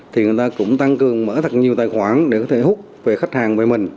thì người ta cũng tăng cường mở thật nhiều tài khoản để có thể hút về khách hàng về mình